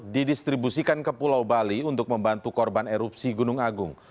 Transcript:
didistribusikan ke pulau bali untuk membantu korban erupsi gunung agung